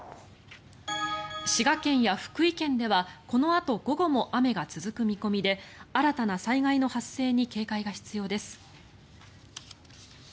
滋賀県や福井県ではこのあと午後も雨が続く見込みで新たな災害の発生に警戒が必要です。